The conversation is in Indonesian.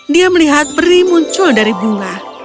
dia melihat peri muncul dari bunga